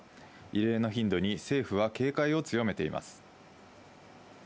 異例の頻度に政府は警戒を強めています。